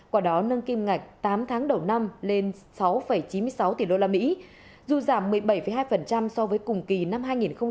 quả đó nâng kim ngạch tám tháng đầu năm lên sáu chín mươi sáu tỷ usd dù giảm một mươi bảy hai so với cùng kỳ năm hai nghìn một mươi chín